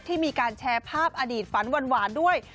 ที่มีการแชร์ภาพอดีตฝันหวานด้วย